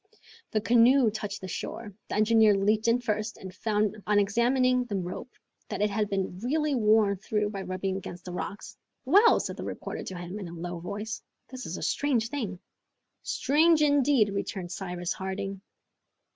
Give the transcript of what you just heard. The canoe touched the shore. The engineer leaped in first, and found, on examining the rope, that it had been really worn through by rubbing against the rocks. "Well," said the reporter to him, in a low voice, "this is a strange thing." "Strange indeed!" returned Cyrus Harding.